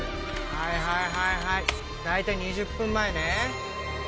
はいはいはいはい大体２０分前ね